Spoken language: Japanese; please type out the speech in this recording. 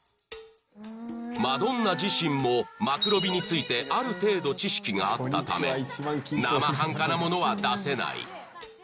マドンナ自身もマクロビについてある程度知識があったためなまはんかなものは出せない